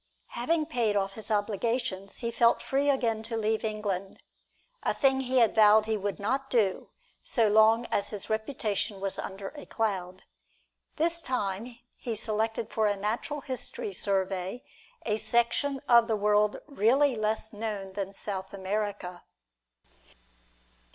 Having paid off his obligations, he felt free again to leave England, a thing he had vowed he would not do, so long as his reputation was under a cloud. This time he selected for a natural history survey a section of the world really less known than South America.